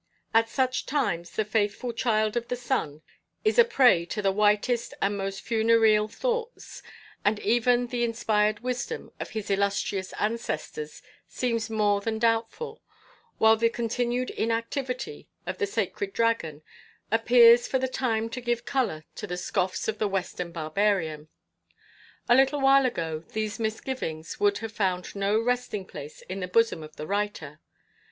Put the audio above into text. At such times the faithful child of the Sun is a prey to the whitest and most funereal thoughts, and even the inspired wisdom of his illustrious ancestors seems more than doubtful, while the continued inactivity of the Sacred Dragon appears for the time to give colour to the scoffs of the Western barbarian. A little while ago these misgivings would have found no resting place in the bosom of the writer.